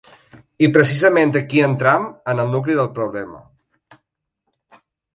I precisament aquí entrem en el nucli del problema.